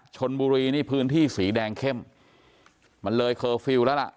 ชนบุรีนี่พื้นที่สีแดงเข้มมันเลยเคอร์ฟิลล์แล้วล่ะ